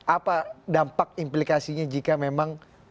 apa dampak implikasinya jika memang